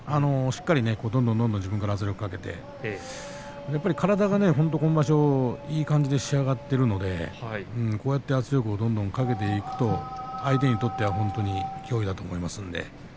しっかりとどんどんどんどん自分から圧力をかけて体が本当に今場所いい感じで仕上がっているのでこうやって圧力をどんどんかけていくと相手にとっては脅威だと思います。